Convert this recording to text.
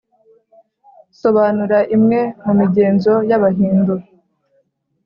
sobanura imwe mu migenzo y’abahindu.